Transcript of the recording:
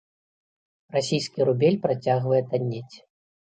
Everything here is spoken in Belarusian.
Расійскі рубель працягвае таннець.